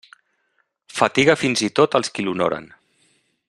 Fatiga fins i tot els qui l'honoren.